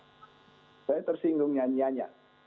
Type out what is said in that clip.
saya tersinggung nyanyiannya